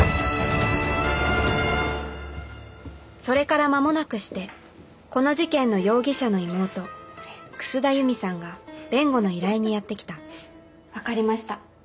それから間もなくしてこの事件の容疑者の妹楠田悠美さんが弁護の依頼にやって来た分かりました。